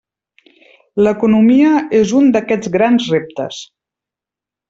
L'economia és un d'aquests grans reptes.